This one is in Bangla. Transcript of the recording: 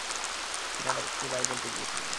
টিনাকে বাই বলতে গিয়েছিলাম।